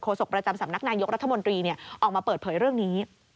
ศกประจำสำนักนายกรัฐมนตรีออกมาเปิดเผยเรื่องนี้